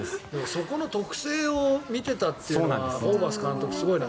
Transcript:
そこの特性を見ていたのはホーバス監督はすごいな。